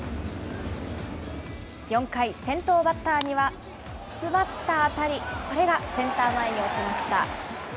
４回、先頭バッターには、詰まった当たり、これがセンター前に落ちました。